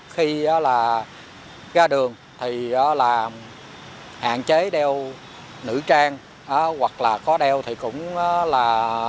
khi ra đường thì hạn chế đeo nữ trang hoặc là có đeo thì cũng là